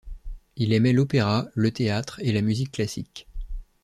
Il aimait l'opéra, le théâtre et la musique classique.